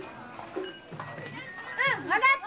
うんわかった！